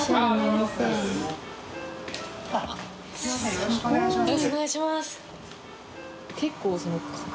よろしくお願いします。